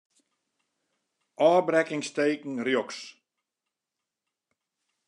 Ofbrekkingsteken rjochts.